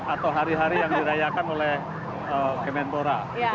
atau hari hari yang dirayakan oleh kemenpora